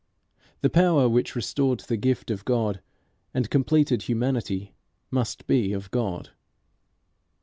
The power which restored the gift of God and completed humanity, must be of God.